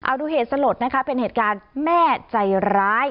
เอาดูเหตุสลดนะคะเป็นเหตุการณ์แม่ใจร้าย